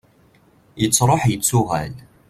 yettruḥ yettuɣal